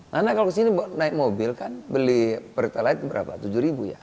karena kalau di sini naik mobil kan beli peralatan berapa tujuh ribu ya